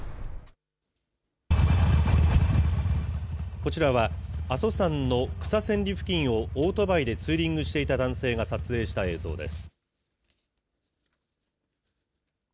こちらは阿蘇山の草千里付近をオートバイでツーリングしていた男性が撮影した映像です。